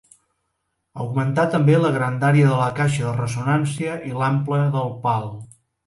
Augmentar també la grandària de la caixa de ressonància i l'ample del pal.